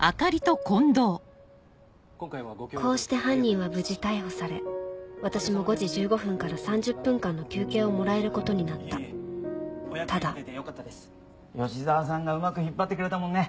こうして犯人は無事逮捕され私も５時１５分から３０分間の休憩をもらえることになったただ吉沢さんがうまく引っ張ってくれたもんね。